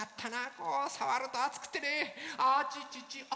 こうさわるとあつくてねあちちちあ